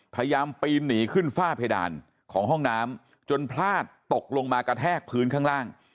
พยายามปีนหนีขึ้นฝ้าเพดานของห้องน้ำจนพลาดตกลงมากระแทกพื้นข้างล่าง